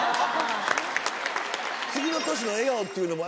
次の年の笑顔っていうのも。